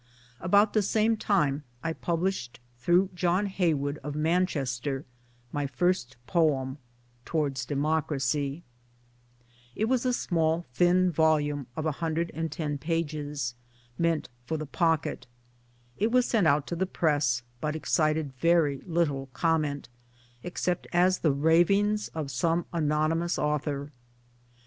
About the same time I published through John Heywood of Manchester, my first poem Towards Democracy. It was a small thin volume of 110 pages, meant for the pocket. It was sent out to the Press, but excited very little comment, except as the ravings of some anonymous author.